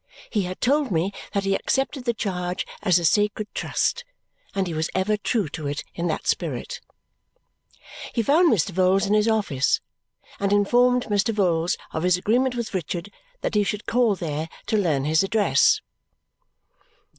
He had told me that he accepted the charge as a sacred trust, and he was ever true to it in that spirit. He found Mr. Vholes in his office and informed Mr. Vholes of his agreement with Richard that he should call there to learn his address.